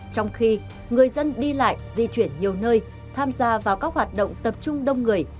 trong khi người dân đi lại di chuyển nhiều nơi tham gia vào các hoạt động tập trung đông người